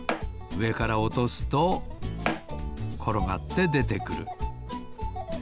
うえからおとすところがってでてくる。